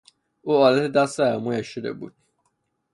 او آلت دست عمویش شده است.